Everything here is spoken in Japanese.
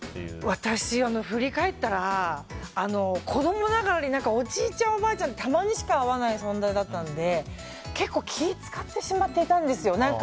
私、振り返ったら子供ながらにおじいちゃん、おばあちゃんはたまにしか会わない存在だったので結構、気を使ってしまっていたんですよ。